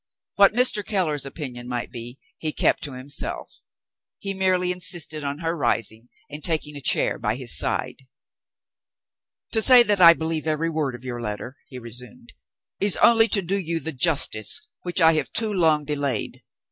What Mr. Keller's opinion might be, he kept to himself. He merely insisted on her rising, and taking a chair by his side. "To say that I believe every word of your letter," he resumed, "is only to do you the justice which I have too long delayed.